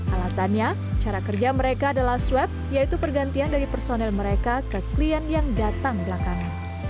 alasannya cara kerja mereka adalah swab yaitu pergantian dari personel mereka ke klien yang datang belakangan